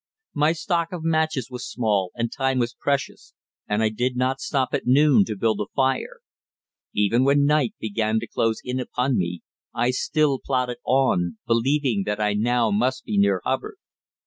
My stock of matches was small and time was precious, and I did not stop at noon to build a fire. Even when night began to close in upon me I still plodded on, believing that I now must be near Hubbard.